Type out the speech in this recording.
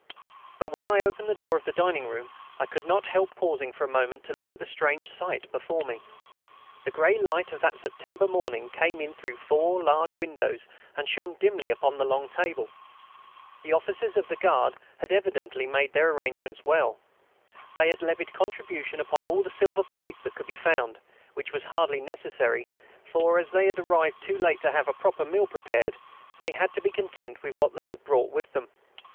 But when I opened the door of the dining room I could not help pausing for a moment to look at the strange sight before me. The grey light of that September morning came in through four large windows and shone dimly upon the long table. The officers of the Guard had certainly made their arrangements well. They had levied contribution upon all the silver plate that could be found, which was hardly necessary, for, as they had arrived too late to have a proper meal prepared, they had to be content with what they had brought with them.